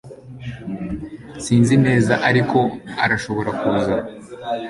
sinzi neza ariko arashobora kuza